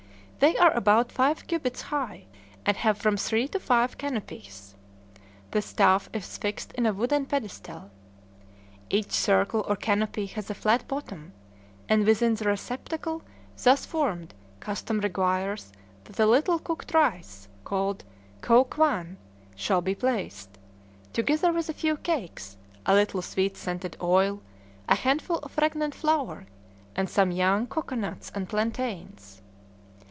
They are about five cubits high, and have from three to five canopies. The staff is fixed in a wooden pedestal. Each circle or canopy has a flat bottom, and within the receptacle thus formed custom requires that a little cooked rice, called k'ow k'wan, shall be placed, together with a few cakes, a little sweet scented oil, a handful of fragrant flour, and some young cocoanuts and plantains.